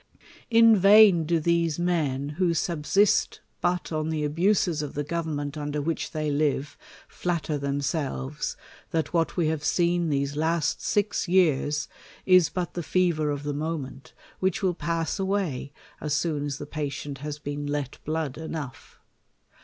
In vain do THE COLUMBIAN ORATOR. 247 these men, who subsist but on the abuses of the govern ment under which they live, flatter themselves, that what we have seen these last six years is but the fever of the moment, which will pass away as soon as the pa tient has been let blood enough.